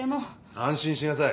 安心しなさい。